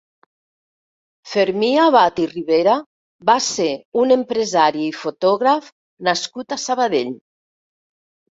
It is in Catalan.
Fermí Abad i Ribera va ser un empresari i fotògraf nascut a Sabadell.